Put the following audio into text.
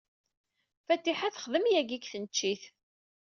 Fatiḥa texdem yagi deg tneccit.